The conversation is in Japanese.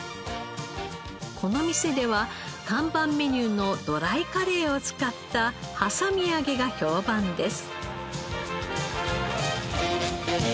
この店では看板メニューのドライカレーを使った挟み揚げが評判です。